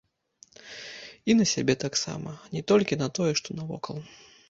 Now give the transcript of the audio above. І на сябе таксама, не толькі на тое, што навокал.